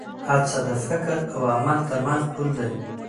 هڅه د فکر او عمل تر منځ پُل دی.